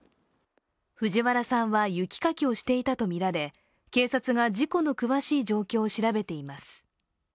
藤原さんは雪かきをしていたとみられ、警察が事故の詳しい状況を調べ手います。